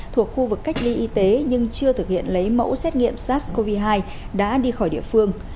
thuộc khu vực cách ly y tế nhưng chưa thực hiện lấy mẫu xét nghiệm sars cov hai đã đi khỏi địa phương